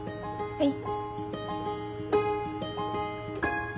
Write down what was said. はい。